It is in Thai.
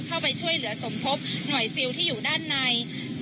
เข้าไปช่วยเหลือสมทบหน่วยซิลที่อยู่ด้านใน